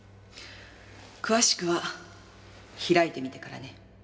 詳しくは開いてみてからね。